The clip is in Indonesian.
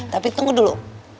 tapi tunggu dulu